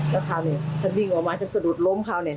แล้วคราวนี้ฉันวิ่งออกมาฉันสะดุดล้มคราวนี้